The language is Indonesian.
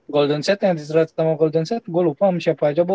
golden state yang ditrade sama golden state gue lupa sama siapa aja bo